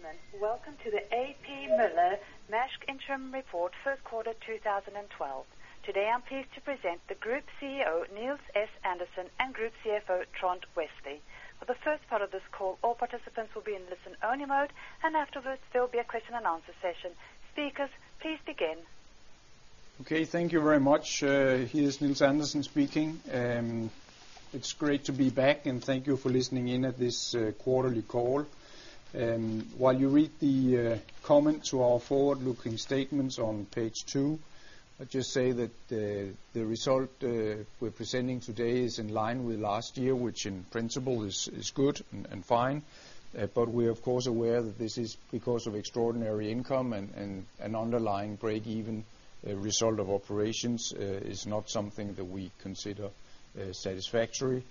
Ladies and gentlemen, welcome to the A.P. Moller - Maersk Interim Report, first quarter 2012. Today, I'm pleased to present the Group CEO, Nils S. Andersen, and Group CFO, Trond Westlie. For the first part of this call, all participants will be in listen-only mode, and afterwards, there will be a question-and-answer session. Speakers, please begin. Okay, thank you very much. Here's Nils S. Andersen speaking. It's great to be back, and thank you for listening in at this quarterly call. While you read the comment to our forward-looking statements on page two, I'd just say that the result we're presenting today is in line with last year, which in principle is good and fine. We're of course aware that this is because of extraordinary income and an underlying break-even result of operations is not something that we consider satisfactory.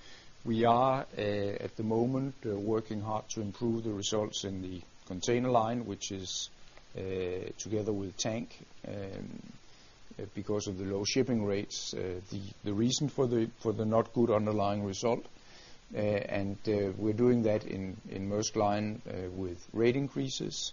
We are at the moment working hard to improve the results in the container line, which is together with tankers, because of the low shipping rates, the reason for the not good underlying result. We're doing that in Maersk Line with rate increases.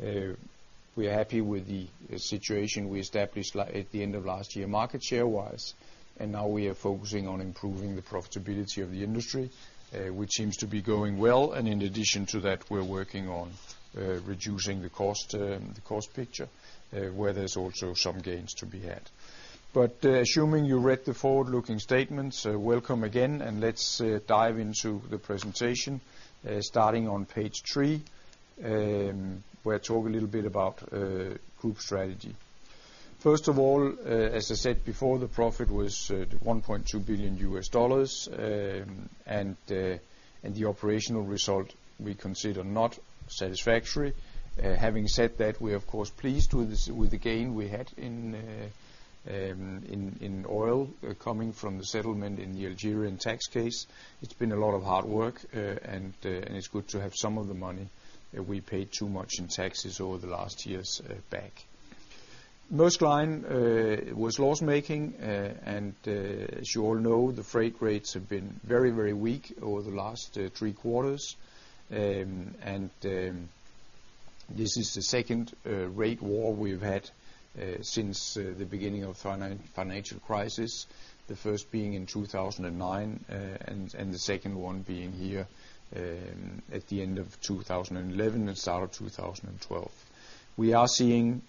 We're happy with the situation we established at the end of last year, market share-wise. Now we are focusing on improving the profitability of the industry, which seems to be going well. In addition to that, we're working on reducing the cost, the cost picture, where there's also some gains to be had. Assuming you read the forward-looking statements, welcome again, and let's dive into the presentation, starting on page three, where I talk a little bit about group strategy. First of all, as I said before, the profit was $1.2 billion, and the operational result we consider not satisfactory. Having said that, we're of course pleased with this, with the gain we had in oil coming from the settlement in the Algerian tax case. It's been a lot of hard work, and it's good to have some of the money we paid too much in taxes over the last years back. Maersk Line was loss-making, and as you all know, the freight rates have been very, very weak over the last three quarters. This is the second rate war we've had since the beginning of the financial crisis, the first being in 2009, and the second one being here at the end of 2011 and start of 2012. We are seeing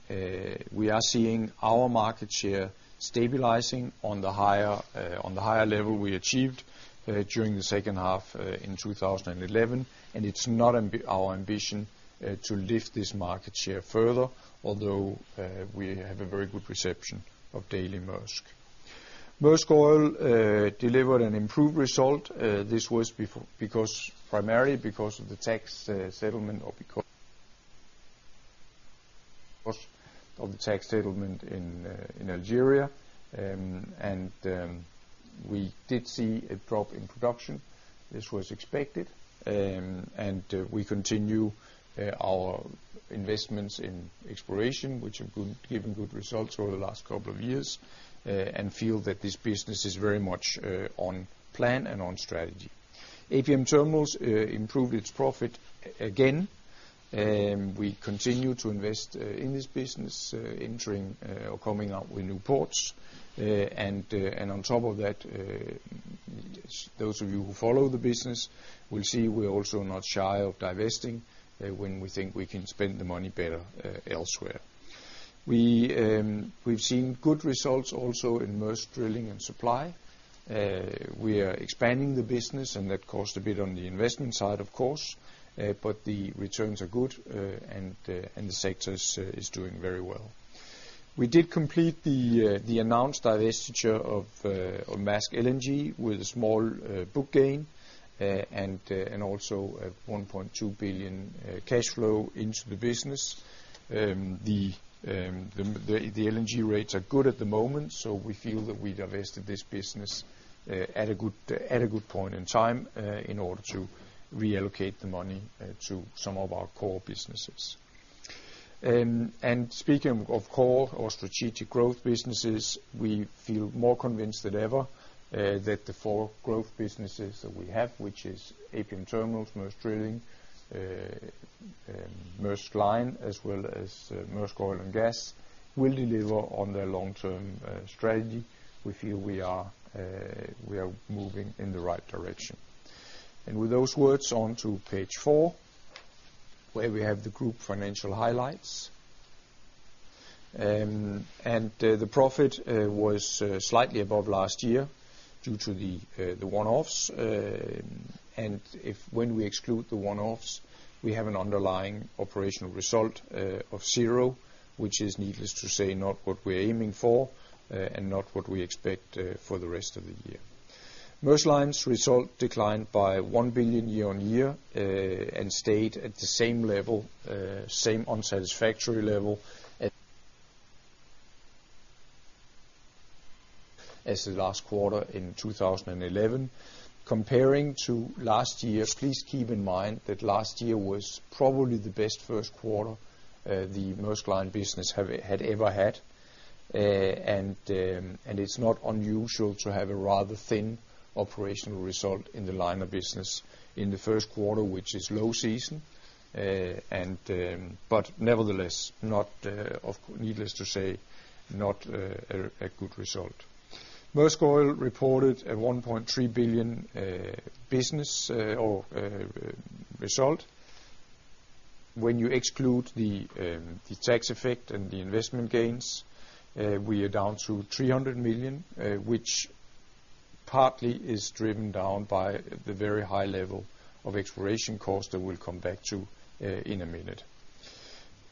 our market share stabilizing on the higher level we achieved during the second half in 2011. It's not our ambition to lift this market share further, although we have a very good reception of Daily Maersk. Maersk Oil delivered an improved result. This was because, primarily because of the tax settlement in Algeria. We did see a drop in production. This was expected. We continue our investments in exploration, which have given good results over the last couple of years and feel that this business is very much on plan and on strategy. APM Terminals improved its profit again. We continue to invest in this business, entering or coming out with new ports. On top of that, those of you who follow the business will see we're also not shy of divesting when we think we can spend the money better elsewhere. We've seen good results also in Maersk Drilling and Supply. We are expanding the business and that cost a bit on the investment side, of course, but the returns are good, and the sector is doing very well. We did complete the announced divestiture of Maersk LNG with a small book gain, and also a $1.2 billion cash flow into the business. The LNG rates are good at the moment, so we feel that we divested this business at a good point in time in order to reallocate the money to some of our core businesses. Speaking of core or strategic growth businesses, we feel more convinced than ever that the four growth businesses that we have, which is APM Terminals, Maersk Drilling, Maersk Line, as well as Maersk Oil and Gas, will deliver on their long-term strategy. We feel we are moving in the right direction. With those words, on to page four, where we have the group financial highlights. The profit was slightly above last year due to the one-offs. If, when we exclude the one-offs, we have an underlying operational result of zero, which is needless to say, not what we're aiming for and not what we expect for the rest of the year. Maersk Line's result declined by $1 billion year-on-year and stayed at the same level, same unsatisfactory level as the last quarter in 2011. Comparing to last year, please keep in mind that last year was probably the best first quarter the Maersk Line business had ever had. It's not unusual to have a rather thin operational result in the liner business in the first quarter, which is low season. Nevertheless, needless to say, not a good result. Maersk Oil reported a $1.3 billion result. When you exclude the tax effect and the investment gains, we are down to $300 million, which partly is driven down by the very high level of exploration costs that we'll come back to in a minute.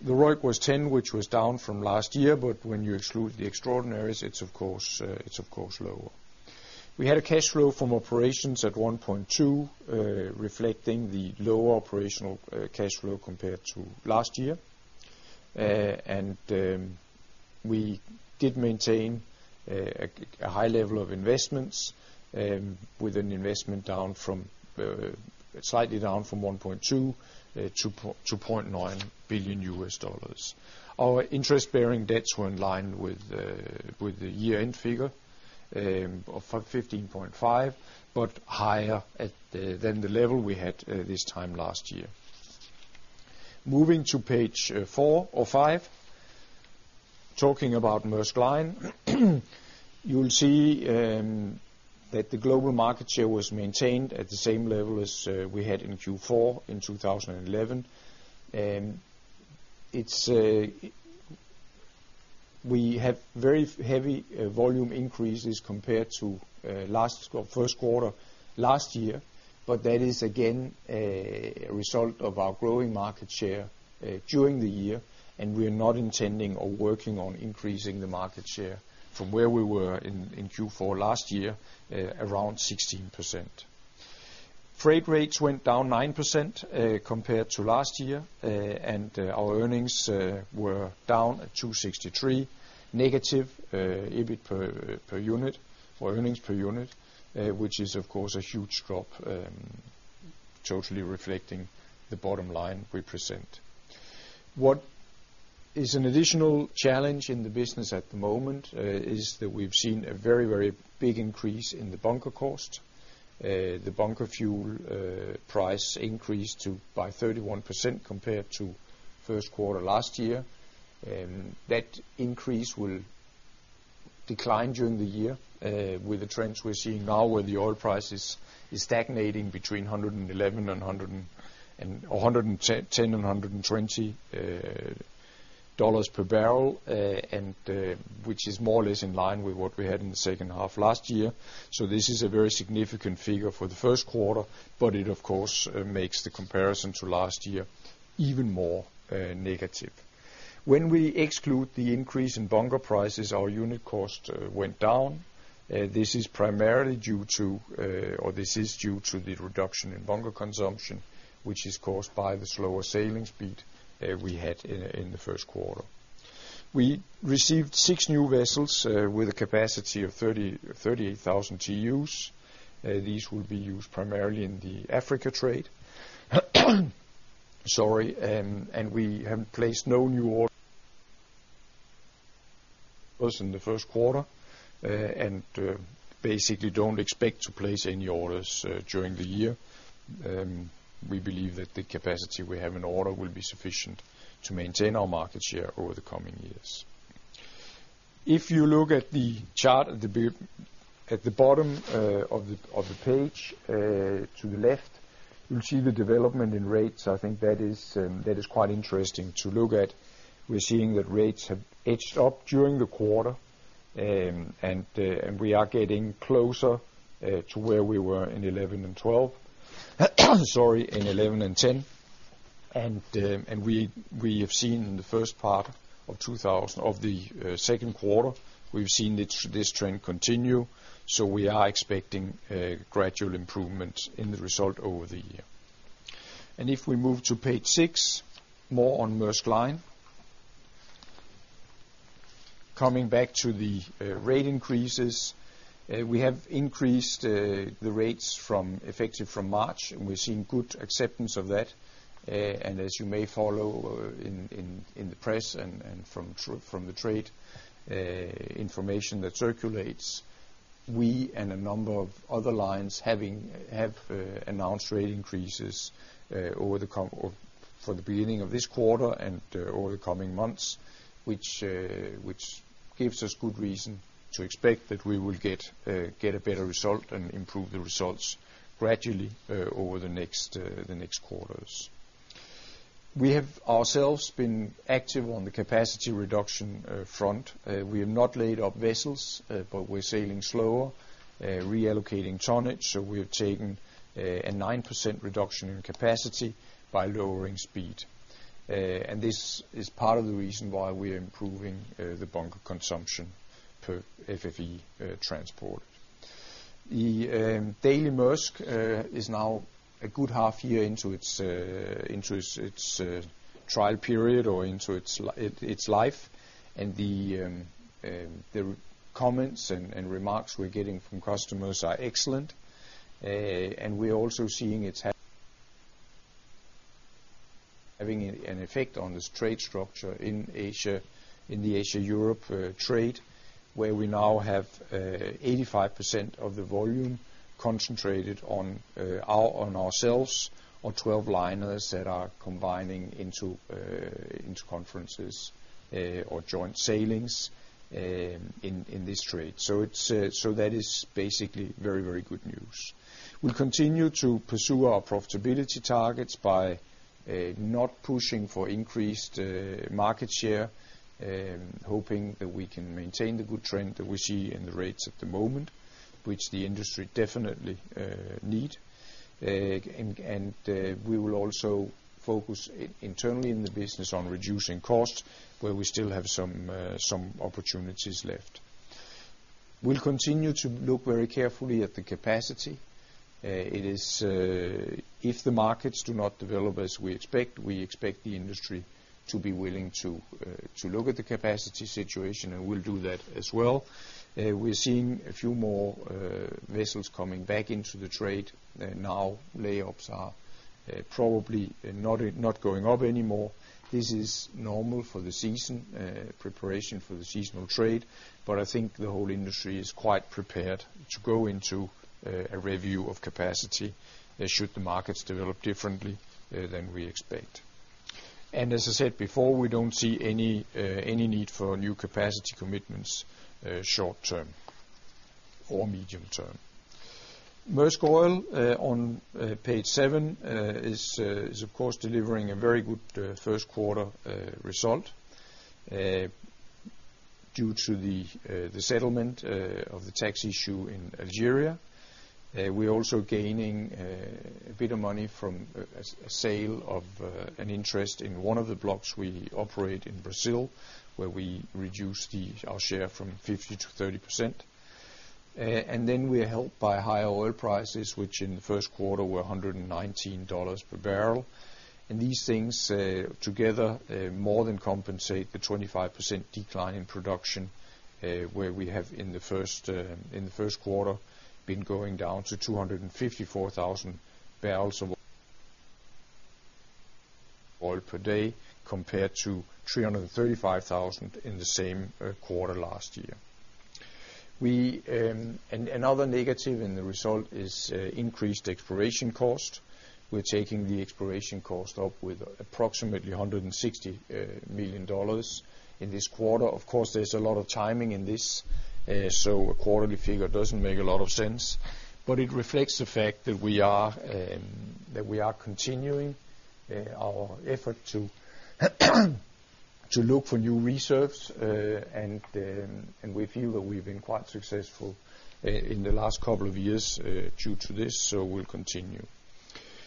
The ROIC was 10%, which was down from last year, but when you exclude the extraordinaries, it's of course lower. We had a cash flow from operations at $1.2 billion, reflecting the lower operational cash flow compared to last year. We did maintain a high level of investments, with an investment slightly down from $1.2 billion to $0.9 billion. Our interest-bearing debts were in line with the year-end figure of 15.5%, but higher than the level we had this time last year. Moving to page four or five, talking about Maersk Line, you'll see that the global market share was maintained at the same level as we had in Q4 in 2011. It's we have very heavy volume increases compared to first quarter last year. That is again a result of our growing market share during the year, and we're not intending or working on increasing the market share from where we were in Q4 last year around 16%. Freight rates went down 9%, compared to last year, and our earnings were down at -$263 EBIT per unit or earnings per unit, which is of course a huge drop, totally reflecting the bottom line we present. What is an additional challenge in the business at the moment is that we've seen a very, very big increase in the bunker cost. The bunker fuel price increased by 31% compared to first quarter last year. That increase will decline during the year with the trends we're seeing now where the oil price is stagnating between $110-$120 per barrel, which is more or less in line with what we had in the second half last year. This is a very significant figure for the first quarter, but it of course makes the comparison to last year even more negative. When we exclude the increase in bunker prices, our unit cost went down. This is due to the reduction in bunker consumption, which is caused by the slower sailing speed we had in the first quarter. We received 6 new vessels with a capacity of 38,000 TEUs. These will be used primarily in the Africa trade. Sorry, we have placed no new orders in the first quarter, and basically don't expect to place any orders during the year. We believe that the capacity we have in order will be sufficient to maintain our market share over the coming years. If you look at the chart at the bottom of the page to the left, you'll see the development in rates. I think that is quite interesting to look at. We're seeing that rates have edged up during the quarter, and we are getting closer to where we were in 2011 and 2012. Sorry, in 2011 and 2010. We have seen in the first part of the second quarter, we've seen this trend continue. We are expecting a gradual improvement in the result over the year. If we move to page six, more on Maersk Line. Coming back to the rate increases, we have increased the rates effective from March, and we're seeing good acceptance of that. As you may follow in the press and from the trade information that circulates, we and a number of other lines have announced rate increases over the coming or for the beginning of this quarter and over the coming months, which gives us good reason to expect that we will get a better result and improve the results gradually over the next quarters. We have ourselves been active on the capacity reduction front. We have not laid up vessels, but we're sailing slower, reallocating tonnage. We have taken a 9% reduction in capacity by lowering speed. This is part of the reason why we are improving the bunker consumption per FFE transport. The Daily Maersk is now a good half year into its trial period or into its life, and the comments and remarks we're getting from customers are excellent. We're also seeing it's having an effect on this trade structure in Asia, in the Asia-Europe trade, where we now have 85% of the volume concentrated on ourselves or 12 liners that are combining into conferences or joint sailings in this trade. That is basically very good news. We continue to pursue our profitability targets by not pushing for increased market share, hoping that we can maintain the good trend that we see in the rates at the moment, which the industry definitely need. We will also focus internally in the business on reducing costs where we still have some opportunities left. We'll continue to look very carefully at the capacity. It is, if the markets do not develop as we expect, we expect the industry to be willing to look at the capacity situation, and we'll do that as well. We're seeing a few more vessels coming back into the trade. Now layups are probably not going up anymore. This is normal for the season, preparation for the seasonal trade. I think the whole industry is quite prepared to go into a review of capacity should the markets develop differently than we expect. As I said before, we don't see any need for new capacity commitments, short term or medium term. Maersk Oil, on page seven, is of course delivering a very good first quarter result due to the settlement of the tax issue in Algeria. We're also gaining a bit of money from a sale of an interest in one of the blocks we operate in Brazil, where we reduce our share from 50% to 30%. We are helped by higher oil prices, which in the first quarter were $119 per barrel. These things together more than compensate the 25% decline in production, where we have in the first quarter been going down to 254,000 barrels of oil per day compared to 335,000 in the same quarter last year. Another negative in the result is increased exploration cost. We're taking the exploration cost up with approximately $160 million in this quarter. Of course, there's a lot of timing in this, so a quarterly figure doesn't make a lot of sense. It reflects the fact that we are continuing our effort to look for new reserves and we feel that we've been quite successful in the last couple of years due to this, so we'll continue.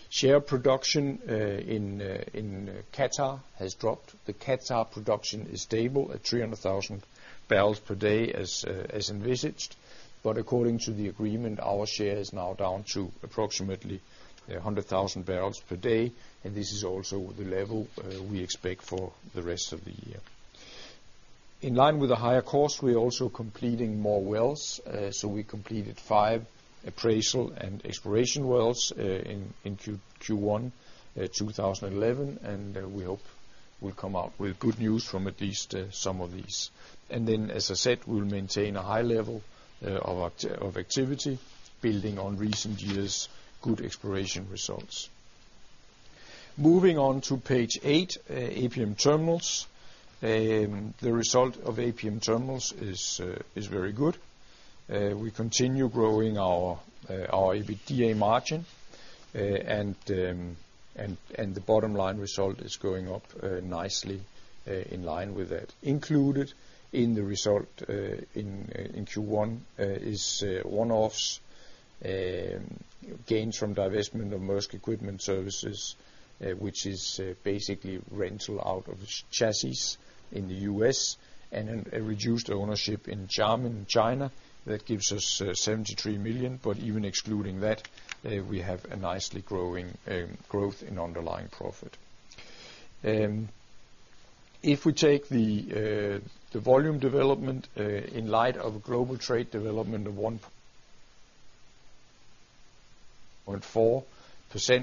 Share production in Qatar has dropped. The Qatar production is stable at 300,000 barrels per day as envisaged. According to the agreement, our share is now down to approximately 100,000 barrels per day, and this is also the level we expect for the rest of the year. In line with the higher cost, we're also completing more wells. We completed five appraisal and exploration wells in Q1 2011, and we hope we'll come out with good news from at least some of these. As I said, we'll maintain a high level of activity building on recent years' good exploration results. Moving on to page eight, APM Terminals. The result of APM Terminals is very good. We continue growing our EBITDA margin, and the bottom line result is going up nicely, in line with that. Included in the result in Q1 is one-off gains from divestment of Maersk Equipment Services, which is basically rental out of chassis in the U.S. and a reduced ownership in Xiamen in China. That gives us $73 million, but even excluding that, we have a nicely growing growth in underlying profit. If we take the volume development in light of global trade development of 1.4%,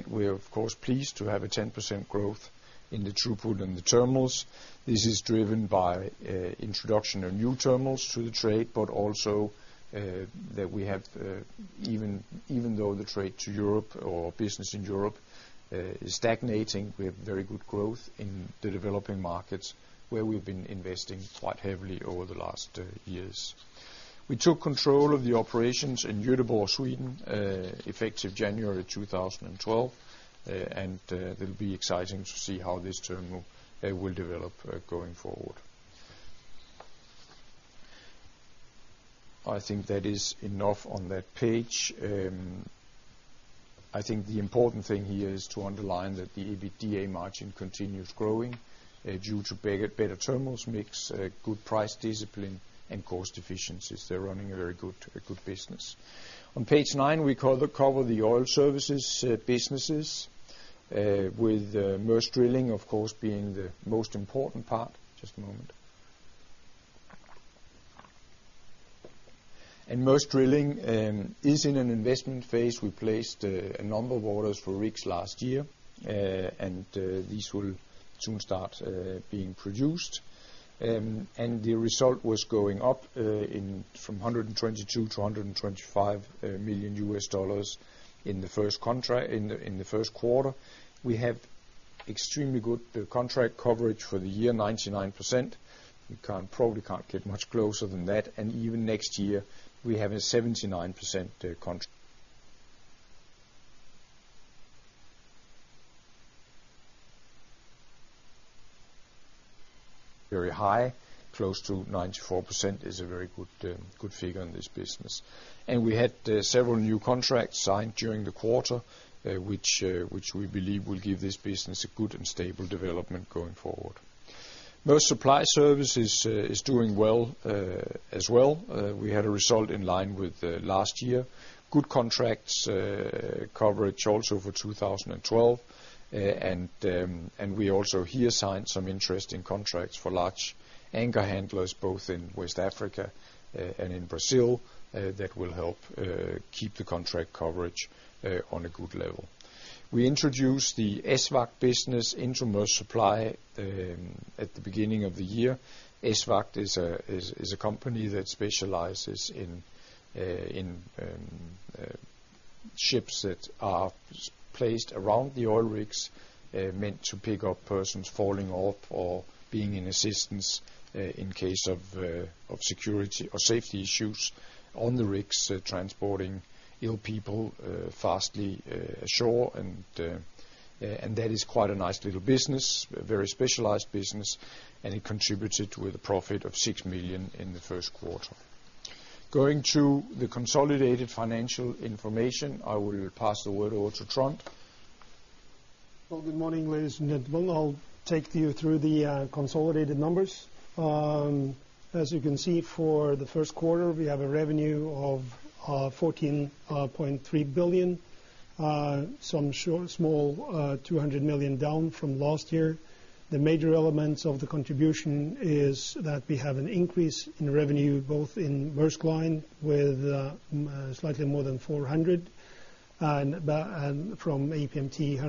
we're of course pleased to have a 10% growth in the throughput in the terminals. This is driven by introduction of new terminals to the trade, but also that we have even though the trade to Europe or business in Europe is stagnating, we have very good growth in the developing markets where we've been investing quite heavily over the last years. We took control of the operations in Gothenburg, Sweden, effective January 2012, and it'll be exciting to see how this terminal will develop going forward. I think that is enough on that page. I think the important thing here is to underline that the EBITDA margin continues growing due to better terminals mix, good price discipline and cost efficiencies. They're running a very good business. On page nine, we cover the oil services businesses with Maersk Drilling of course being the most important part. Just a moment. Maersk Drilling is in an investment phase. We placed a number of orders for rigs last year. These will soon start being produced. The result was going up from $122 million to $125 million in the first quarter. We have extremely good contract coverage for the year, 99%. We probably can't get much closer than that. Even next year we have a 79% contract coverage very high, close to 94% is a very good figure in this business. We had several new contracts signed during the quarter, which we believe will give this business a good and stable development going forward. Maersk Supply Service is doing well as well. We had a result in line with last year. Good contracts coverage also for 2012. We also have signed some interesting contracts for large anchor handlers, both in West Africa and in Brazil that will help keep the contract coverage on a good level. We introduced the ESVAGT business into Maersk Supply at the beginning of the year. ESVAGT is a company that specializes in ships that are placed around the oil rigs meant to pick up persons falling off or being in assistance in case of security or safety issues on the rigs, transporting ill people fast ashore. That is quite a nice little business, a very specialized business, and it contributed with a profit of $6 million in the first quarter. Going to the consolidated financial information, I will pass the word over to Trond. Well, good morning, ladies and gentlemen. I'll take you through the consolidated numbers. As you can see, for the first quarter, we have a revenue of $14.3 billion. Somewhat small, $200 million down from last year. The major elements of the contribution is that we have an increase in revenue both in Maersk Line with slightly more than $400 million, and from APMT $150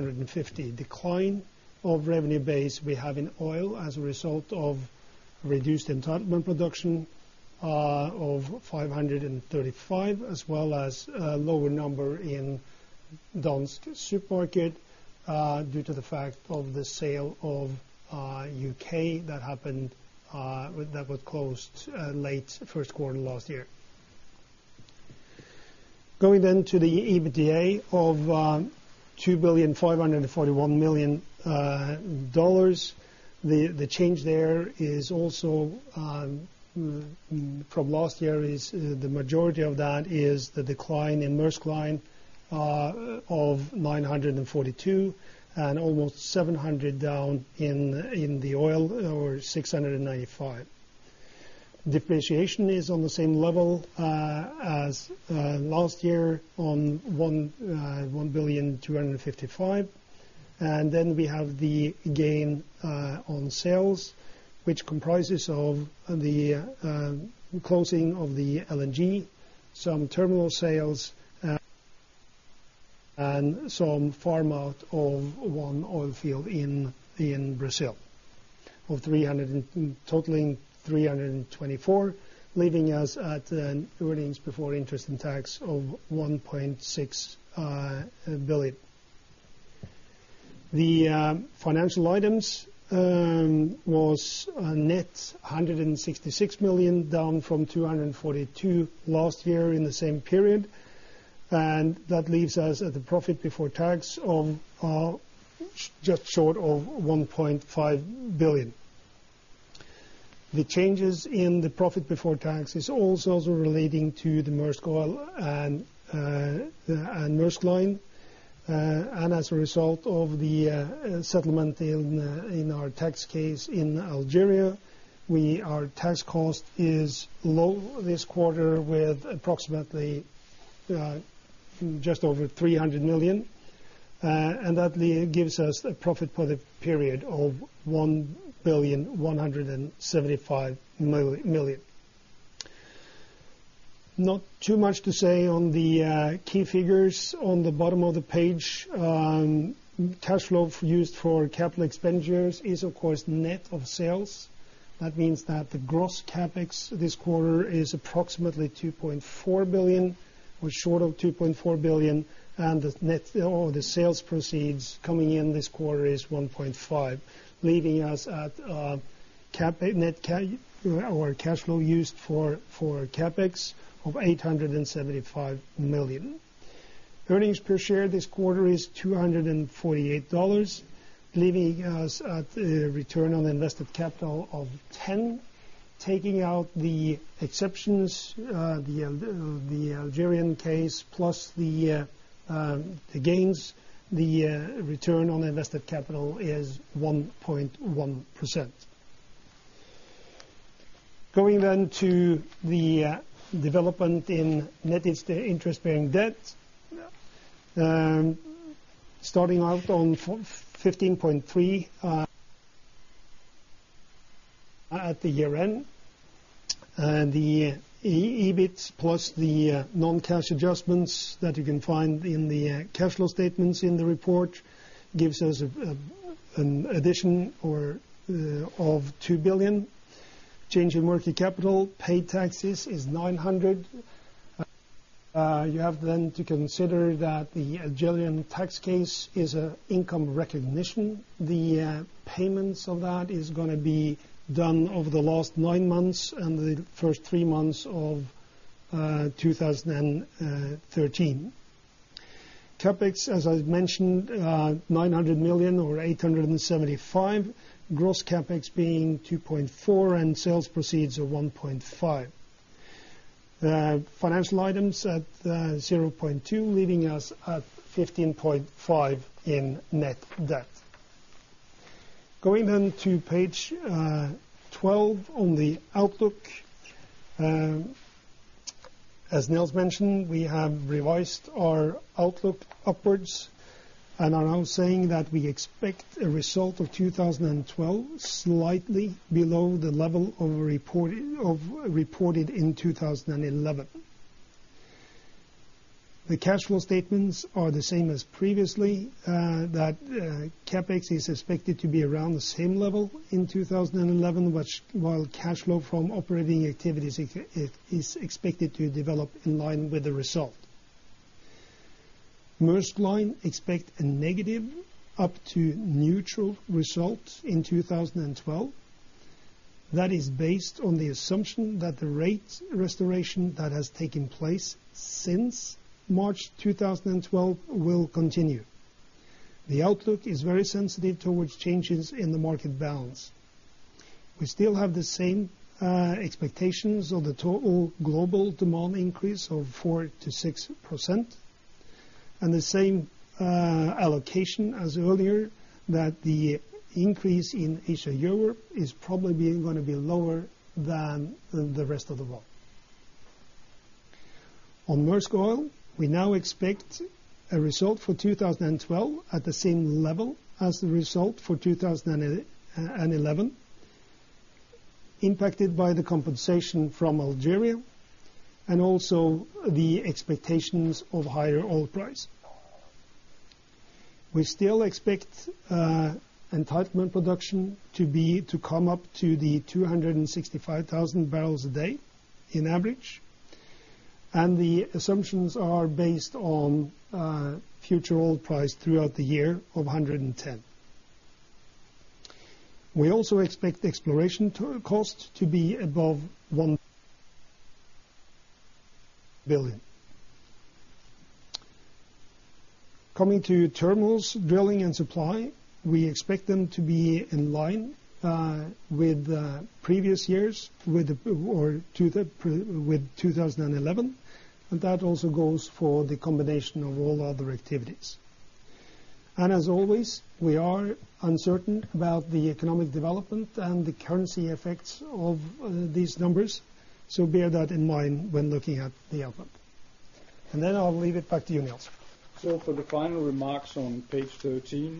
million decline of revenue base we have in oil as a result of reduced entitlement production of $535 million, as well as a lower number in Dansk Supermarked due to the fact of the sale of U.K. that was closed late first quarter last year. Going to the EBITDA of $2.541 billion. The change there is also from last year. The majority of that is the decline in Maersk Line of $942 million and almost $700 million down in the oil, or $695 million. Depreciation is on the same level as last year on $1.255 billion. We have the gain on sales, which comprises of the closing of the LNG, some terminal sales, and some farm out of one oil field in Brazil of $300 million—totaling $324 million, leaving us at an earnings before interest and tax of $1.6 billion. The financial items was a net $166 million, down from $242 million last year in the same period. That leaves us at the profit before tax of just short of $1.5 billion. The changes in the profit before tax is also relating to the Maersk Oil and Maersk Line. As a result of the settlement in our tax case in Algeria, we, our tax cost is low this quarter with approximately just over $300 million. That gives us a profit for the period of $1.175 billion. Not too much to say on the key figures. On the bottom of the page, cash flow used for capital expenditures is of course net of sales. That means that the gross CapEx this quarter is approximately $2.4 billion, or short of $2.4 billion, and the net or the sales proceeds coming in this quarter is $1.5 billion, leaving us at net CapEx or cash flow used for CapEx of $875 million. Earnings per share this quarter is $248, leaving us at a return on invested capital of 10%. Taking out the exceptions, the Algerian case plus the gains, the return on invested capital is 1.1%. Going to the development in net interest-bearing debt. Starting out on 15.3% at the year end. EBIT plus the non-cash adjustments that you can find in the cash flow statements in the report gives us an addition or of $2 billion. Change in working capital, paid taxes is $900 million. You have then to consider that the Algerian tax case is a income recognition. The payments of that is gonna be done over the last nine months and the first three months of 2013. CapEx, as I've mentioned, $900 million or $875 million. Gross CapEx being $2.4 billion and sales proceeds are $1.5 billion. Financial items at $0.2 billion, leaving us at 15.5% in net debt. Going to page twelve on the outlook. As Nils mentioned, we have revised our outlook upwards and are now saying that we expect a result of 2012 slightly below the level of reported in 2011. The cash flow statements are the same as previously, CapEx is expected to be around the same level in 2011, which, while cash flow from operating activities is expected to develop in line with the result. Maersk Line expect a negative up to neutral result in 2012. That is based on the assumption that the rate restoration that has taken place since March 2012 will continue. The outlook is very sensitive towards changes in the market balance. We still have the same expectations of the total global demand increase of 4%-6%. The same allocation as earlier that the increase in Asia-Europe is probably gonna be lower than the rest of the world. On Maersk Oil, we now expect a result for 2012 at the same level as the result for 2011, impacted by the compensation from Algeria and also the expectations of higher oil price. We still expect entitlement production to be, to come up to 265,000 barrels a day in average, and the assumptions are based on future oil price throughout the year of $110. We also expect exploration cost to be above $1 billion. Coming to terminals, drilling and supply, we expect them to be in line with previous years with 2011, and that also goes for the combination of all other activities. As always, we are uncertain about the economic development and the currency effects of these numbers. Bear that in mind when looking at the outlook. Then I'll leave it back to you, Nils. For the final remarks on page thirteen,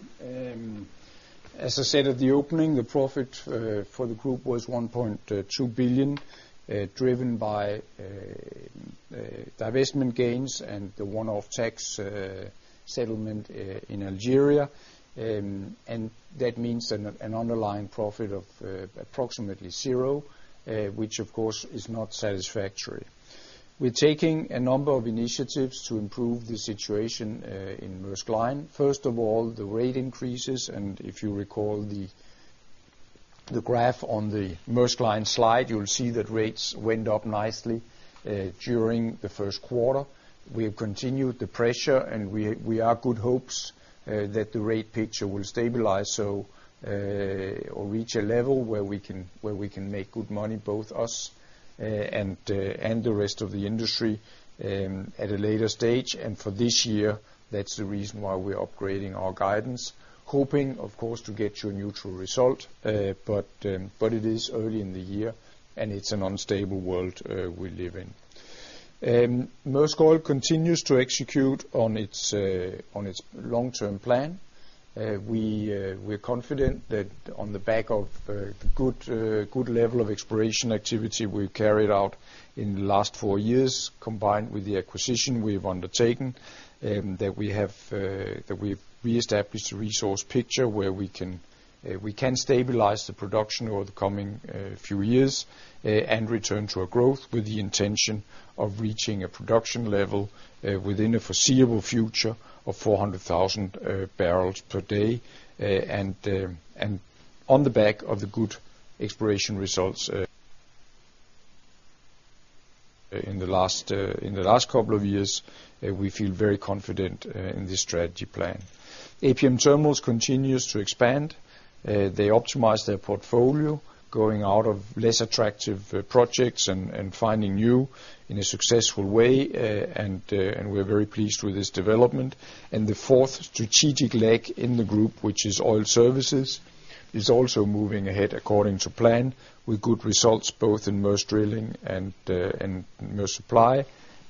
as I said at the opening, the profit for the group was $1.2 billion, driven by divestment gains and the one-off tax settlement in Algeria. And that means an underlying profit of approximately zero, which of course is not satisfactory. We're taking a number of initiatives to improve the situation in Maersk Line. First of all, the rate increases, and if you recall the graph on the Maersk Line slide, you'll see that rates went up nicely during the first quarter. We have continued the pressure, and we have good hopes that the rate picture will stabilize or reach a level where we can make good money, both us and the rest of the industry, at a later stage. For this year, that's the reason why we're upgrading our guidance, hoping of course to get to a neutral result. It is early in the year, and it's an unstable world we live in. Maersk Oil continues to execute on its long-term plan. We're confident that on the back of the good level of exploration activity we've carried out in the last four years, combined with the acquisition we've undertaken, that we've reestablished the resource picture where we can stabilize the production over the coming few years and return to a growth with the intention of reaching a production level within a foreseeable future of 400,000 barrels per day. On the back of the good exploration results in the last couple of years, we feel very confident in this strategy plan. APM Terminals continues to expand. They optimize their portfolio, going out of less attractive projects and finding new in a successful way. We're very pleased with this development. The fourth strategic leg in the group, which is oil services, is also moving ahead according to plan, with good results both in Maersk Drilling and Maersk Supply.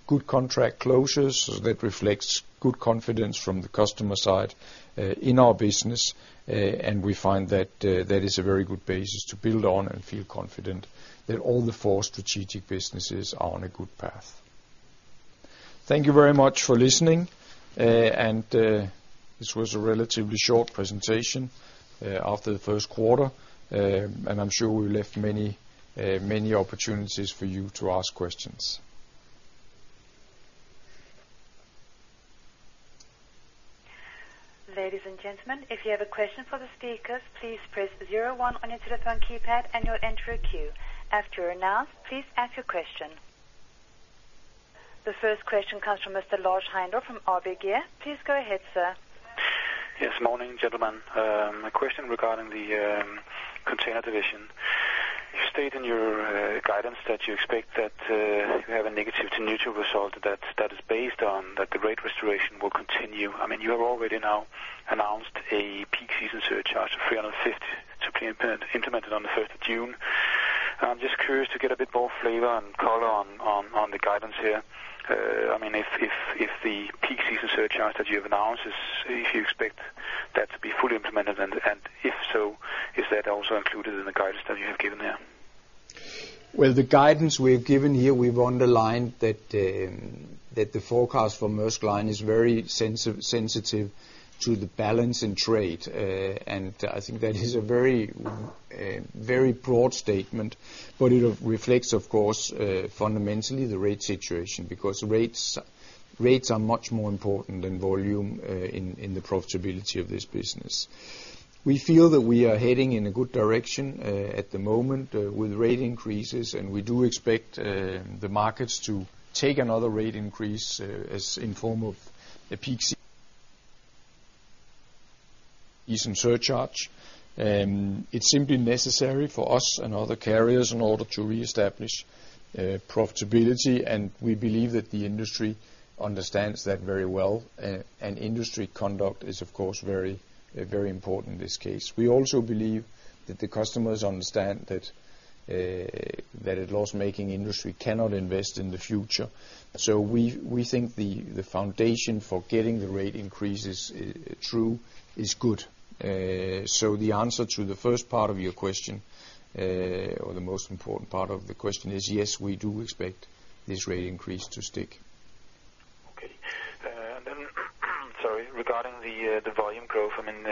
Good contract closures that reflects good confidence from the customer side, in our business. We find that that is a very good basis to build on and feel confident that all the four strategic businesses are on a good path. Thank you very much for listening. This was a relatively short presentation after the first quarter. I'm sure we left many opportunities for you to ask questions. Ladies and gentlemen, if you have a question for the speakers, please press zero one on your telephone keypad and you'll enter a queue. After you're announced, please ask your question. The first question comes from Mr. Lars Heindorff from ABG. Please go ahead, sir. Yes, morning, gentlemen. A question regarding the container division. You state in your guidance that you expect that you have a negative to neutral result, that is based on the rate restoration will continue. I mean, you have already now announced a peak season surcharge of $350 to be implemented on the 5th of June. I'm just curious to get a bit more flavor and color on the guidance here. I mean, if the peak season surcharge that you have announced is, if you expect that to be fully implemented, and if so, is that also included in the guidance that you have given there? Well, the guidance we have given here, we've underlined that the forecast for Maersk Line is very sensitive to the balance in trade. I think that is a very broad statement, but it reflects, of course, fundamentally the rate situation. Because rates are much more important than volume in the profitability of this business. We feel that we are heading in a good direction at the moment with rate increases, and we do expect the markets to take another rate increase as in form of a peak season surcharge. It's simply necessary for us and other carriers in order to reestablish profitability, and we believe that the industry understands that very well. Industry conduct is, of course, very important in this case. We also believe that the customers understand that a loss-making industry cannot invest in the future. We think the foundation for getting the rate increases through is good. The answer to the first part of your question, or the most important part of the question is yes, we do expect this rate increase to stick. Okay. Sorry, regarding the volume growth. I mean,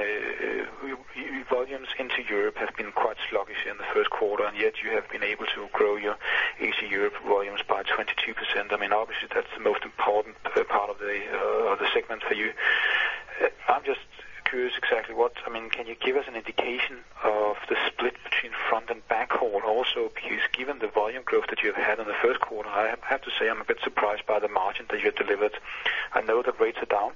your volumes into Europe have been quite sluggish in the first quarter, and yet you have been able to grow your Asia-Europe volumes by 22%. I mean, obviously, that's the most important part of the segment for you. I'm just curious exactly what. I mean, can you give us an indication of the split between front and backhaul? Also, because given the volume growth that you've had in the first quarter, I have to say I'm a bit surprised by the margin that you delivered. I know the rates are down,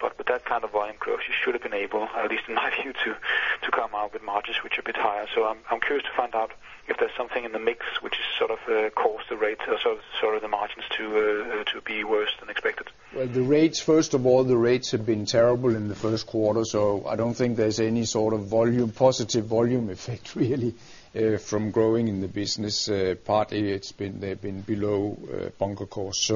but with that kind of volume growth, you should have been able to come out with margins which are a bit higher. I'm curious to find out if there's something in the mix which sort of caused the margins to be worse than expected. Well, the rates, first of all, the rates have been terrible in the first quarter, so I don't think there's any sort of volume, positive volume effect, really, from growing in the business. Partly, it's been. They've been below bunker cost.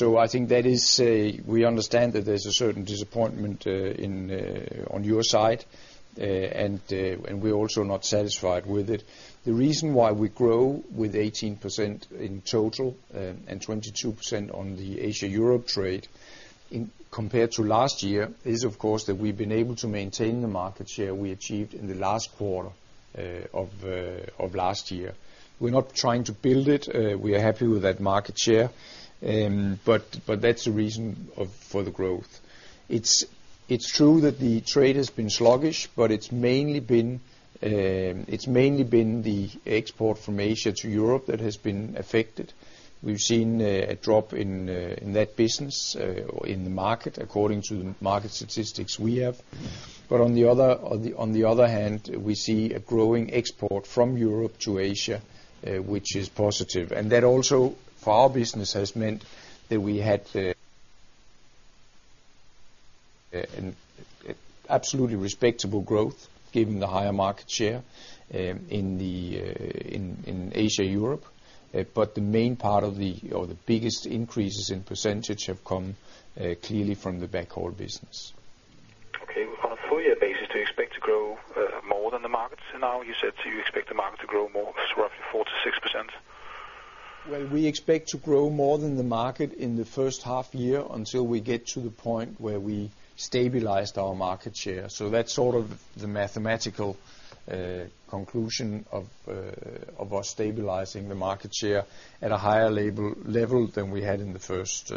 I think that is, we understand that there's a certain disappointment on your side. We're also not satisfied with it. The reason why we grow with 18% in total, and 22% on the Asia-Europe trade, compared to last year is, of course, that we've been able to maintain the market share we achieved in the last quarter of last year. We're not trying to build it. We are happy with that market share. That's the reason for the growth. It's true that the trade has been sluggish, but it's mainly been the export from Asia to Europe that has been affected. We've seen a drop in that business, or in the market according to market statistics we have. But on the other hand, we see a growing export from Europe to Asia, which is positive. That also for our business has meant that we had an absolutely respectable growth given the higher market share in Asia-Europe. But the main part of the, or the biggest increases in percentage have come clearly from the backhaul business. Okay. On a full year basis, do you expect to grow more than the markets now? You said you expect the market to grow more. It's roughly 4%-6%. Well, we expect to grow more than the market in the first half year until we get to the point where we stabilized our market share. That's sort of the mathematical conclusion of us stabilizing the market share at a higher level than we had in the first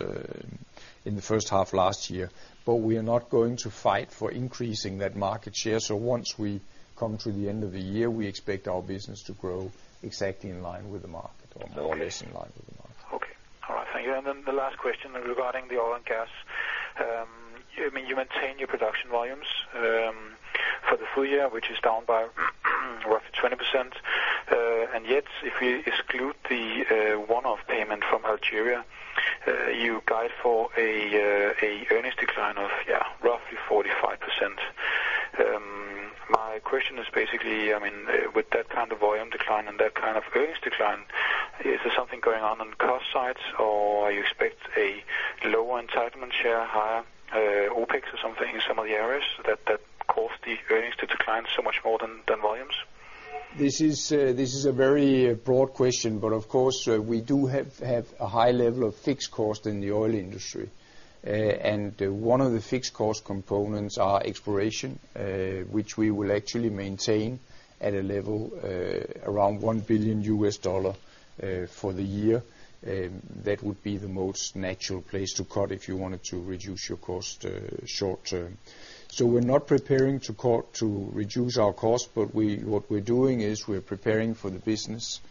half last year. We are not going to fight for increasing that market share. Once we come to the end of the year, we expect our business to grow exactly in line with the market or more or less in line with the market. Okay. All right. Thank you. the last question regarding the oil and gas. I mean, you maintain your production volumes for the full year, which is down by roughly 20%. and yet, if you exclude the one-off payment from Algeria, you guide for an earnings decline of, yeah, roughly 45%. My question is basically, I mean, with that kind of volume decline and that kind of earnings decline, is there something going on cost side or you expect a lower entitlement share, higher OpEx or something in some of the areas that caused the earnings to decline so much more than volumes? This is a very broad question, but of course, we do have a high level of fixed cost in the oil industry. One of the fixed cost components are exploration, which we will actually maintain at a level around $1 billion for the year. That would be the most natural place to cut if you wanted to reduce your cost short term. We're not preparing to reduce our cost, but what we're doing is we're preparing for the business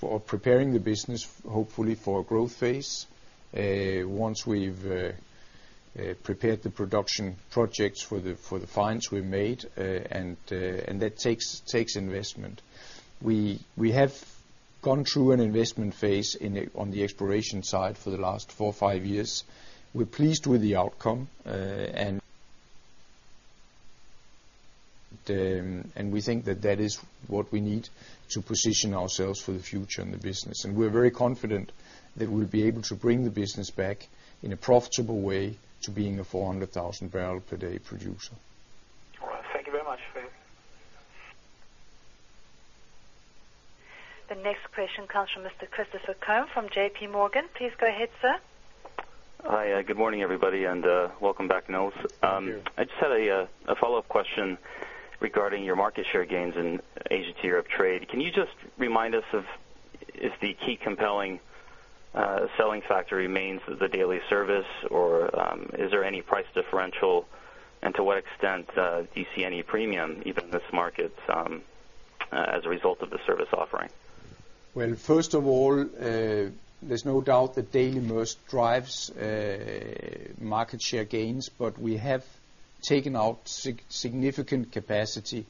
or preparing the business, hopefully for a growth phase. Once we've prepared the production projects for the finds we've made, and that takes investment. We have gone through an investment phase on the exploration side for the last four or five years. We're pleased with the outcome, and we think that is what we need to position ourselves for the future in the business. We're very confident that we'll be able to bring the business back in a profitable way to being a 400,000-barrel-per-day producer. All right. Thank you very much, Smedegaard. The next question comes from Mr. Christopher Combe from J.P. Morgan. Please go ahead, sir. Hi. Good morning, everybody, and welcome back, Nils. Thank you. I just had a follow-up question regarding your market share gains in Asia-Europe trade. Can you just remind us of if the key compelling selling factor remains the daily service or is there any price differential and to what extent do you see any premium even in this market as a result of the service offering? Well, first of all, there's no doubt that Daily Maersk drives market share gains, but we have taken out significant capacity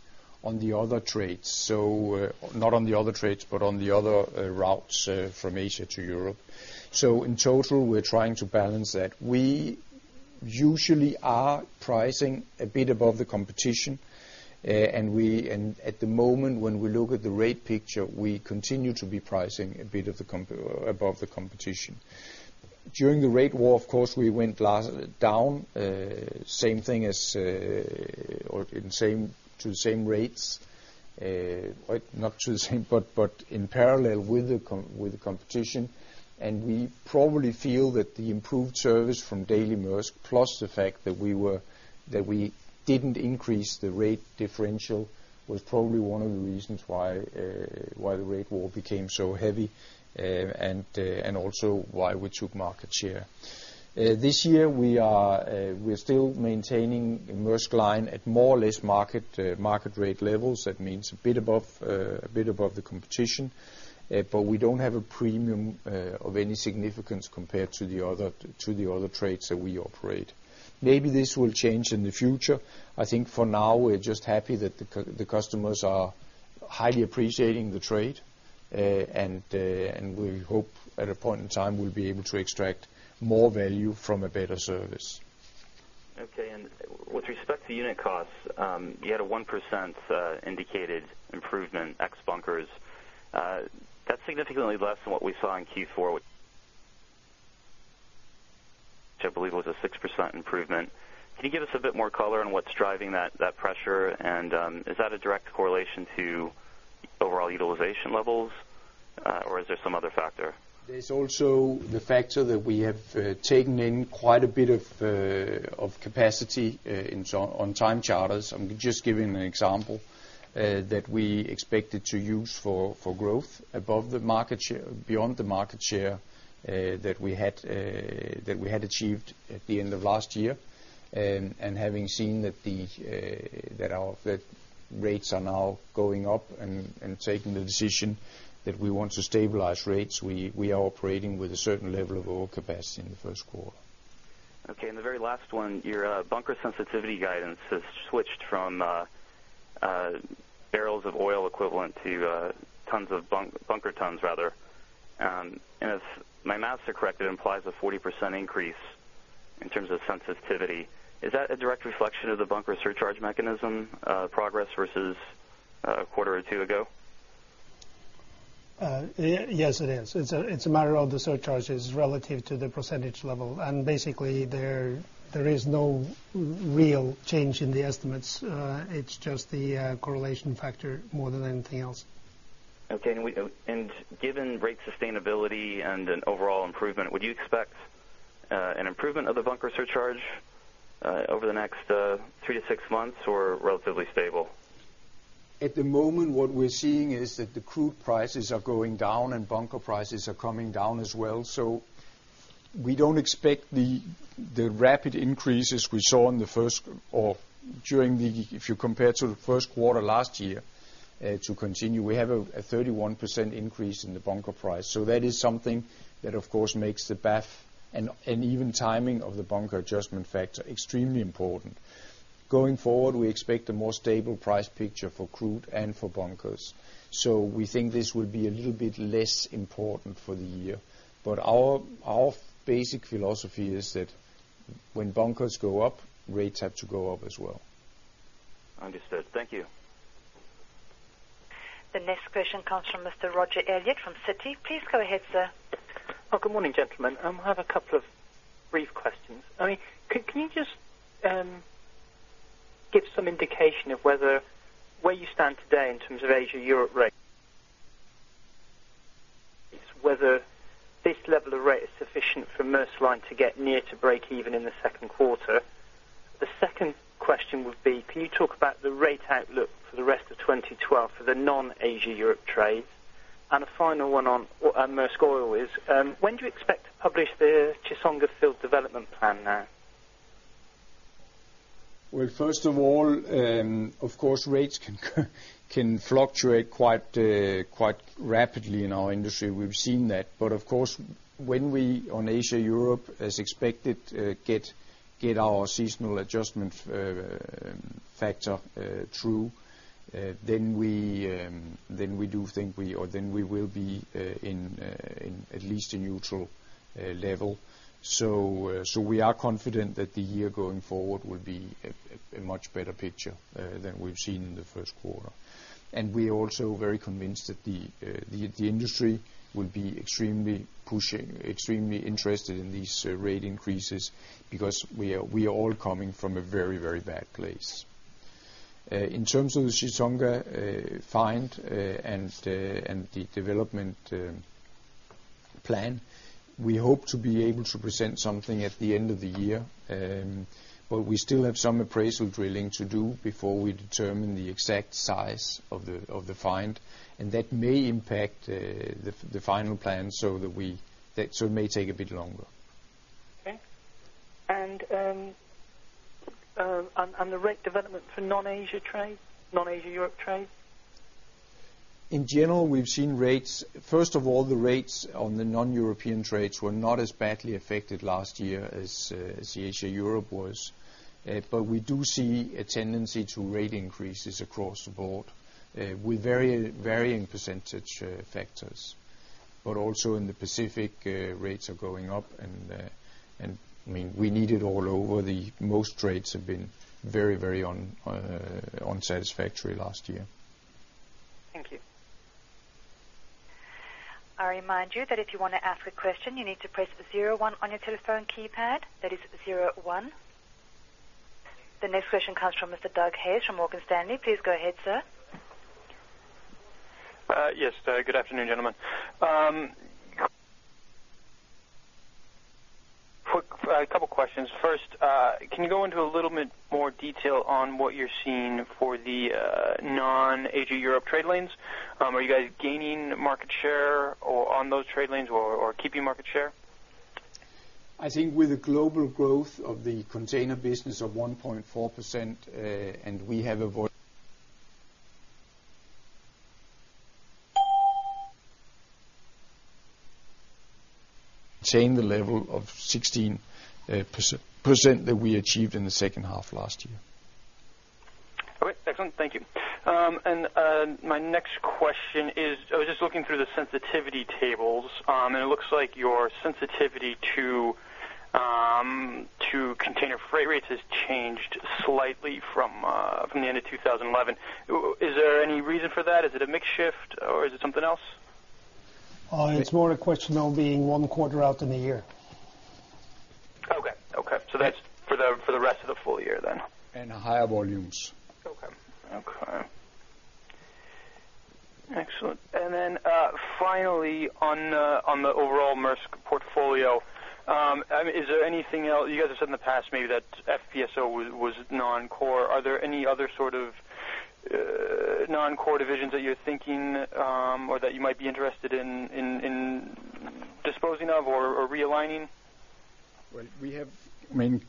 on the other trades. Not on the other trades, but on the other routes from Asia to Europe. In total, we're trying to balance that. We usually are pricing a bit above the competition. At the moment when we look at the rate picture, we continue to be pricing a bit above the competition. During the rate war, of course, we went down to the same rates, not to the same, but in parallel with the competition. We probably feel that the improved service from Daily Maersk, plus the fact that we didn't increase the rate differential was probably one of the reasons why the rate war became so heavy, and also why we took market share. This year, we're still maintaining Maersk Line at more or less market rate levels. That means a bit above the competition, but we don't have a premium of any significance compared to the other trades that we operate. Maybe this will change in the future. I think for now, we're just happy that the customers are highly appreciating the trade, and we hope at a point in time, we'll be able to extract more value from a better service. Okay. With respect to unit costs, you had a 1% indicated improvement ex bunkers. That's significantly less than what we saw in Q4, which I believe was a 6% improvement. Can you give us a bit more color on what's driving that pressure? Is that a direct correlation to overall utilization levels, or is there some other factor? There's also the factor that we have taken in quite a bit of capacity in some on time charters. I'm just giving an example that we expected to use for growth beyond the market share that we had achieved at the end of last year. Having seen that our rates are now going up and taking the decision that we want to stabilize rates, we are operating with a certain level of overcapacity in the first quarter. Okay. The very last one, your bunker sensitivity guidance has switched from barrels of oil equivalent to tons of bunker tons rather. If my math is correct, it implies a 40% increase in terms of sensitivity. Is that a direct reflection of the bunker surcharge mechanism progress versus a quarter or two ago? Yes, it is. It's a matter of the surcharge is relative to the percentage level. Basically, there is no real change in the estimates. It's just the correlation factor more than anything else. Okay. Given rate sustainability and an overall improvement, would you expect an improvement of the bunker surcharge over the next 3 months-6 months or relatively stable? At the moment, what we're seeing is that the crude prices are going down and bunker prices are coming down as well. We don't expect the rapid increases we saw during the first quarter last year to continue. We have a 31% increase in the bunker price. That is something that of course makes the BAF and even timing of the bunker adjustment factor extremely important. Going forward, we expect a more stable price picture for crude and for bunkers. We think this will be a little bit less important for the year. Our basic philosophy is that when bunkers go up, rates have to go up as well. Understood. Thank you. The next question comes from Mr. Roger Elliott from Citi. Please go ahead, sir. Good morning, gentlemen. I have a couple of brief questions. I mean, can you just give some indication of where you stand today in terms of Asia-Europe rates? Whether this level of rate is sufficient for Maersk Line to get near to breakeven in the second quarter. The second question would be, can you talk about the rate outlook for the rest of 2012 for the non-Asia-Europe trades? A final one on Maersk Oil is, when do you expect to publish the Chissonga field development plan now? Well, first of all, of course, rates can fluctuate quite rapidly in our industry. We've seen that. Of course, when we on Asia-Europe, as expected, get our seasonal adjustment factor through, then we do think then we will be in at least a neutral level. We are confident that the year going forward will be a much better picture than we've seen in the first quarter. We are also very convinced that the industry will be extremely pushing, extremely interested in these rate increases because we are all coming from a very bad place. In terms of the Chissonga find and the development plan, we hope to be able to present something at the end of the year. We still have some appraisal drilling to do before we determine the exact size of the find, and that may impact the final plan so it may take a bit longer. Okay. The rate development for non-Asia trade, non-Asia-Europe trade? In general, we've seen rates. First of all, the rates on the non-European trades were not as badly affected last year as the Asia-Europe was. We do see a tendency to rate increases across the board, with varying percentage factors. Also in the Pacific, rates are going up and I mean, we need it all over. The most trades have been very unsatisfactory last year. Thank you. I remind you that if you wanna ask a question, you need to press the zero one on your telephone keypad. That is zero one. The next question comes from Mr. Douglas Hayes from Morgan Stanley. Please go ahead, sir. Yes. Good afternoon, gentlemen. Quick, a couple questions. First, can you go into a little bit more detail on what you're seeing for the non-Asia-Europe trade lanes? Are you guys gaining market share on those trade lanes or keeping market share? I think with the global growth of the container business of 1.4%, maintain the level of 16% that we achieved in the second half last year. Okay, excellent. Thank you. My next question is, I was just looking through the sensitivity tables, and it looks like your sensitivity to container freight rates has changed slightly from the end of 2011. Is there any reason for that? Is it a mix shift or is it something else? It's more a question of being one quarter out in a year. That's for the rest of the full year then. Higher volumes. Okay. Excellent. Finally on the overall Maersk portfolio, I mean, is there anything? You guys have said in the past maybe that FPSO was non-core. Are there any other sort of non-core divisions that you're thinking or that you might be interested in disposing of or realigning? Well, we have, I mean,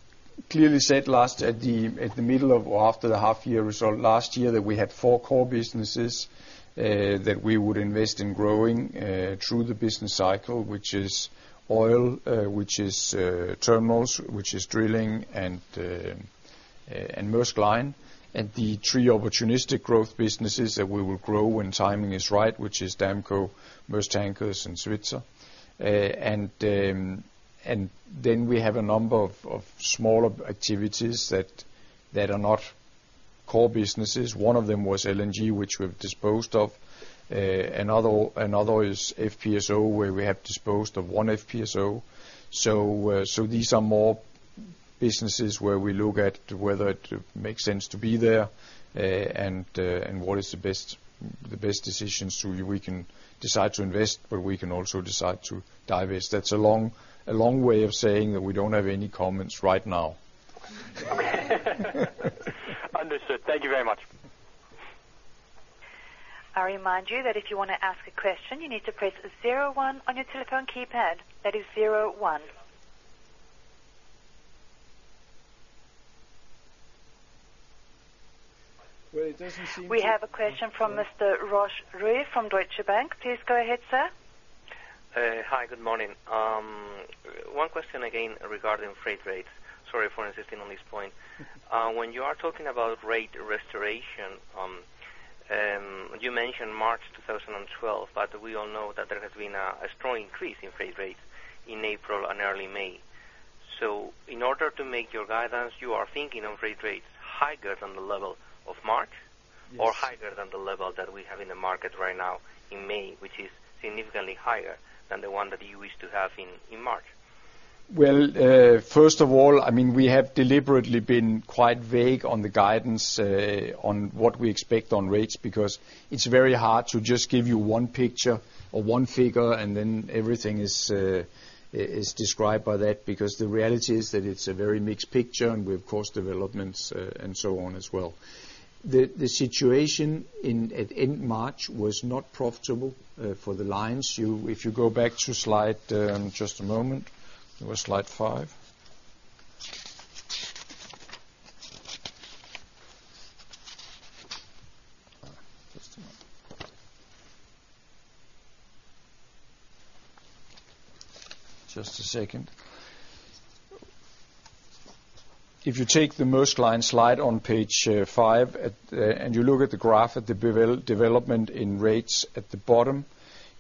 clearly said last at the middle of or after the half year results last year that we had four core businesses that we would invest in growing through the business cycle, which is oil, which is terminals, which is drilling and Maersk Line. The three opportunistic growth businesses that we will grow when timing is right, which is Damco, Maersk Tankers and Svitzer. We have a number of smaller activities that are not core businesses. One of them was LNG, which we've disposed of. Another is FPSO, where we have disposed of one FPSO. These are more businesses where we look at whether it makes sense to be there, and what is the best. The best decisions so we can decide to invest, but we can also decide to divest. That's a long way of saying that we don't have any comments right now. Understood. Thank you very much. I remind you that if you wanna ask a question, you need to press zero one on your telephone keypad. That is zero one. Well, it doesn't seem to. We have a question from Mr. Ross Seymore from Deutsche Bank. Please go ahead, sir. Hi, good morning. One question again regarding freight rates. Sorry for insisting on this point. When you are talking about rate restoration, you mentioned March 2012, but we all know that there has been a strong increase in freight rates in April and early May. In order to make your guidance, you are thinking of freight rates higher than the level of March? Yes. Higher than the level that we have in the market right now in May, which is significantly higher than the one that you wish to have in March. Well, first of all, I mean, we have deliberately been quite vague on the guidance on what we expect on rates, because it's very hard to just give you one picture or one figure, and then everything is described by that. Because the reality is that it's a very mixed picture, and we have cost developments, and so on as well. The situation as at end March was not profitable for the lines. If you go back to slide—just a moment, it was slide five. Just a second, if you take the Maersk Line slide on page five and you look at the graph at the development in rates at the bottom,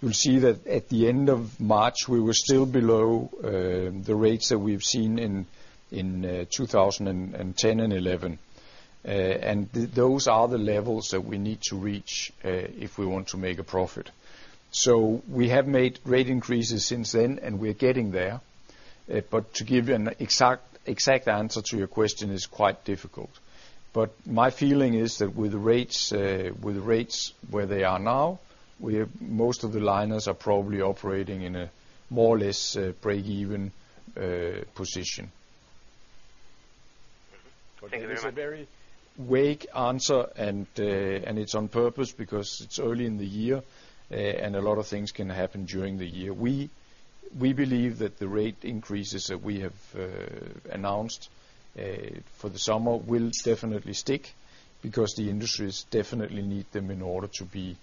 you'll see that at the end of March, we were still below the rates that we've seen in 2010 and 2011. Those are the levels that we need to reach if we want to make a profit. We have made rate increases since then, and we're getting there. To give you an exact answer to your question is quite difficult. My feeling is that with rates where they are now, we have most of the liners are probably operating in a more or less break-even position. Thank you very much. It's a very vague answer, and it's on purpose because it's early in the year. A lot of things can happen during the year. We believe that the rate increases that we have announced for the summer will definitely stick because the industries definitely need them in order to be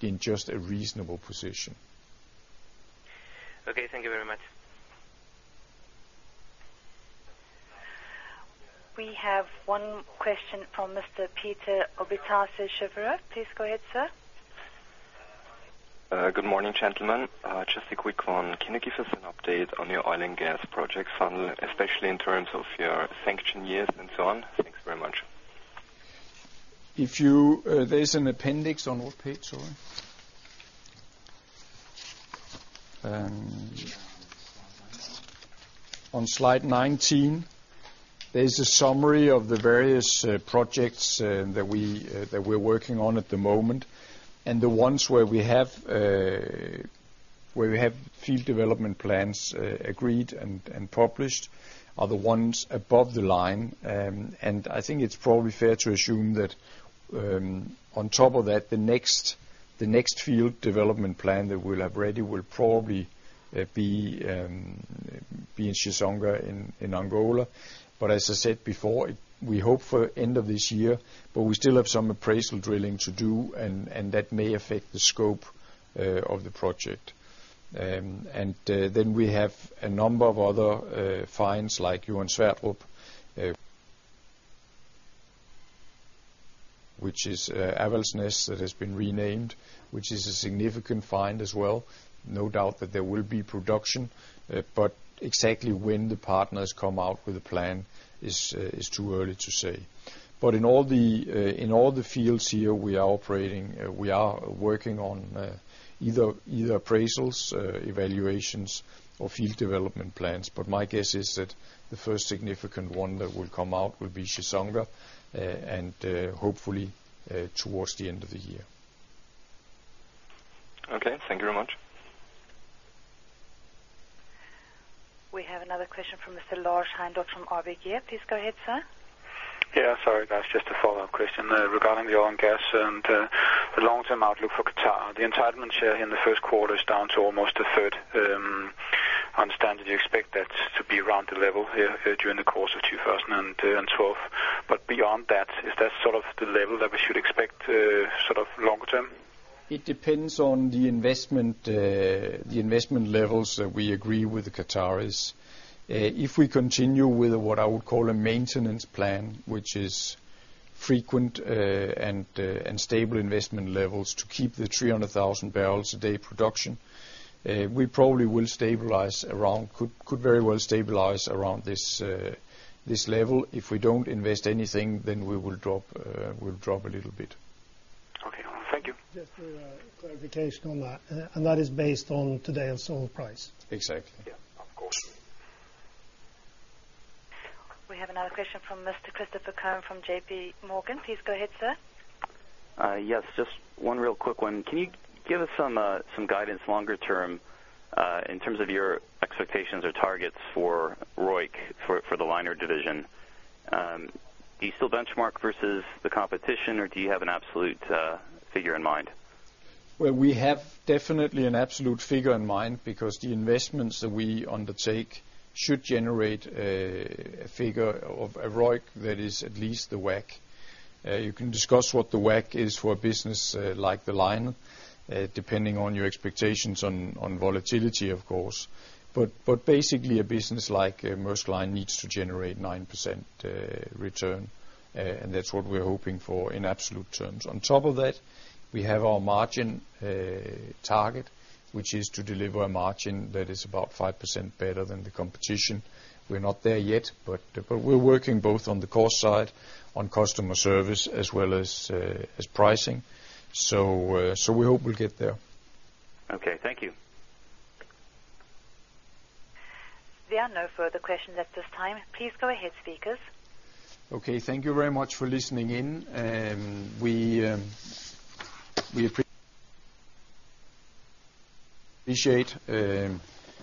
in just a reasonable position. Okay, thank you very much. We have one question from Mr. Peter Olofsen of Kepler Cheuvreux. Please go ahead, sir. Good morning, gentlemen. Just a quick one. Can you give us an update on your oil and gas projects funnel, especially in terms of your sanction years and so on? Thanks very much. If you, there's an appendix on what page, sorry. On slide 19, there's a summary of the various projects that we're working on at the moment. The ones where we have field development plans agreed and published are the ones above the line. I think it's probably fair to assume that on top of that, the next field development plan that we'll have ready will probably be in Chissonga in Angola. As I said before, we hope for end of this year, but we still have some appraisal drilling to do and that may affect the scope of the project. Then we have a number of other finds like Johan Sverdrup, which is Avaldsnes that has been renamed, which is a significant find as well. No doubt that there will be production, but exactly when the partners come out with a plan is too early to say. In all the fields here we are operating, we are working on either appraisals, evaluations, or field development plans. My guess is that the first significant one that will come out will be Chissonga, and hopefully towards the end of the year. Okay. Thank you very much. We have another question from Mr. Lars Heindorff from ABG Sundal Collier. Please go ahead, sir. Yeah. Sorry, guys, just a follow-up question regarding the oil and gas and the long-term outlook for Qatar. The entitlement share in the first quarter is down to almost 1/3. I understand that you expect that to be around the level here during the course of 2012. Beyond that, is that sort of the level that we should expect, sort of long-term? It depends on the investment, the investment levels that we agree with the Qataris. If we continue with what I would call a maintenance plan, which is frequent and stable investment levels to keep the 300,000 barrels a day production, we probably will stabilize around, could very well stabilize around this level. If we don't invest anything, then we'll drop a little bit. Okay. Thank you. Just a clarification on that. That is based on today's oil price. Exactly. Yeah. Of course. We have another question from Mr. Christopher Combe from J.P. Morgan. Please go ahead, sir. Yes, just one real quick one. Can you give us some guidance longer term, in terms of your expectations or targets for ROIC, for the liner division? Do you still benchmark versus the competition or do you have an absolute figure in mind? We have definitely an absolute figure in mind because the investments that we undertake should generate a figure of a ROIC that is at least the WACC. You can discuss what the WACC is for a business like the liner depending on your expectations on volatility of course. Basically a business like Maersk Line needs to generate 9% return. That's what we're hoping for in absolute terms. On top of that, we have our margin target, which is to deliver a margin that is about 5% better than the competition. We're not there yet, but we're working both on the cost side, on customer service, as well as pricing. We hope we'll get there. Okay, thank you. There are no further questions at this time. Please go ahead, speakers. Okay. Thank you very much for listening in. We appreciate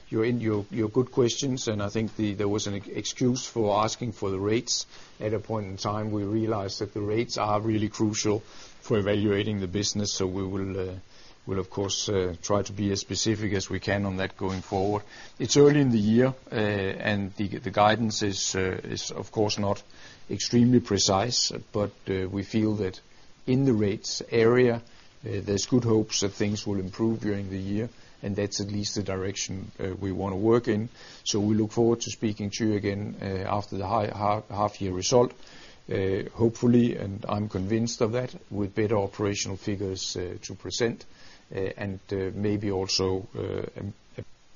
your good questions and I think there was an excuse for asking for the rates. At a point in time we realized that the rates are really crucial for evaluating the business. We will of course try to be as specific as we can on that going forward. It's early in the year. The guidance is of course not extremely precise, but we feel that in the rates area, there's good hopes that things will improve during the year, and that's at least the direction we want to work in. We look forward to speaking to you again after the half year result. Hopefully, I'm convinced of that with better operational figures to present and maybe also-